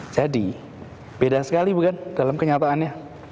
jadi beda sekali bukan dalam kenyataannya